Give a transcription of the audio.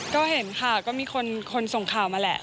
ก็เห็นค่ะก็มีคนส่งข่าวมาแหละ